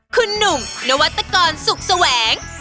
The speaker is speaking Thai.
คุณหนุ่มนวัตกรสุขแสวง